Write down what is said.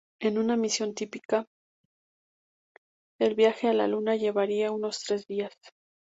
En una misión típica el viaje a la Luna llevaría unos tres días.